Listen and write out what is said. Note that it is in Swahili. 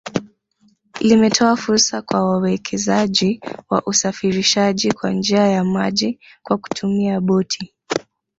Limetoa fursa kwa wawekezaji wa usafirishaji kwa njia ya maji kwa kutumia boti